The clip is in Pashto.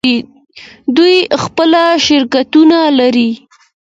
دوی خپل شرکتونه لري.